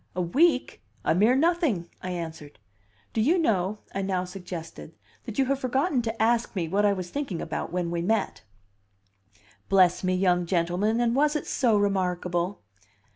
"A week? A mere nothing!" I answered "Do you know," I now suggested, "that you have forgotten to ask me what I was thinking about when we met?" "Bless me, young gentleman! and was it so remarkable?"